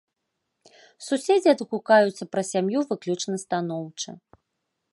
Суседзі адгукаюцца пра сям'ю выключна станоўча.